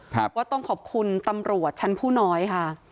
ว่าต้องขอบคุณตำรวจชั้นผู้น้อยค่ะ